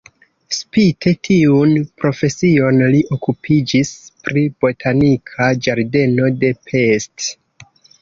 Spite tiun profesion li okupiĝis pri botanika ĝardeno de Pest.